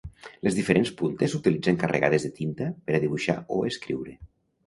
Les diferents puntes s'utilitzen carregades de tinta per a dibuixar o escriure.